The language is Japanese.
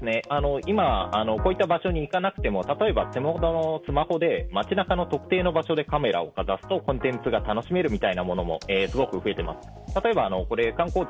今、こういった場所に行かなくても例えば、手元のスマホで街中の特定の場所でカメラをかざすと、コンテンツが楽しめるみたいなものもすごく増えています。